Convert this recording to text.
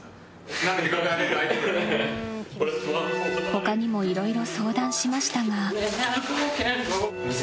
他にもいろいろ相談しましたが。